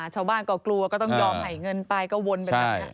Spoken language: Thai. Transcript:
ชาวบ้านก็กลัวก็ต้องยอมหายเงินไปก็วนไป